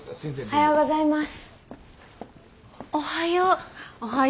おはようございます。